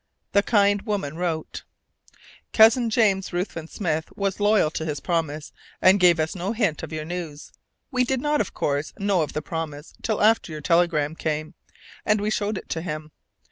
The kind woman wrote: Cousin James Ruthven Smith was loyal to his promise, and gave us no hint of your news. We did not, of course, know of the promise till after your telegram came, and we showed it to him.